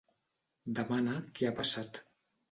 Demana què ha passat.